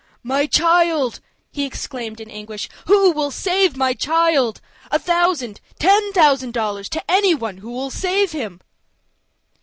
"My child!" he exclaimed in anguish,—"who will save my child? A thousand—ten thousand dollars to any one who will save him!"